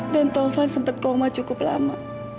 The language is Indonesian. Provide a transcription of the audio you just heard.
dan taufan sempat koma cukup lama